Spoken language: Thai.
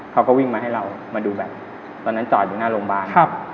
เขาก็วิ่งมาให้เรามาดูแบบตอนนั้นจอดอยู่หน้าโรงพยาบาล